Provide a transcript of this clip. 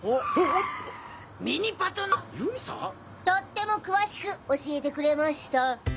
とっても詳しく教えてくれました。